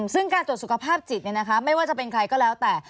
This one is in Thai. ซึ่งการตรวจสุขภาพจิตไม่ว่าจะเป็นใครก็แล้วแต่